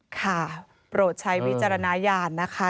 โปรดใช้วิจารณญาณนะคะ